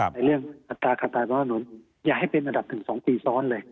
ในเรื่องขาดตาขาดตาประหับขนาดหนนนอยากให้เป็นอันดับหนึ่ง๒ปีสอนเลย